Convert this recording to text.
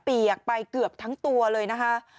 เปียกไปเกือบทั้งตัวเลยนะคะ